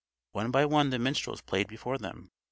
One by one the minstrels played before them.